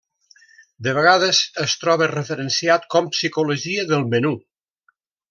De vegades es troba referenciat com psicologia del menú.